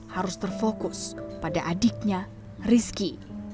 harus terfokus pada adiknya rizky